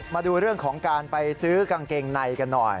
มาดูเรื่องของการไปซื้อกางเกงในกันหน่อย